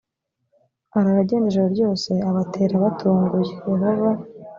arara agenda ijoro ryose abatera abatunguye yehova